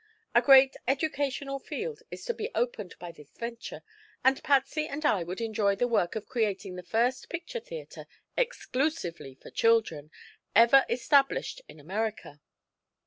A great educational field is to be opened by this venture, and Patsy and I would enjoy the work of creating the first picture theatre, exclusively for children, ever established in America."